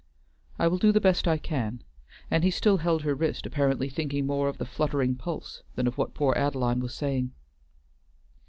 "I will do the best I can," and he still held her wrist, apparently thinking more of the fluttering pulse than of what poor Adeline was saying.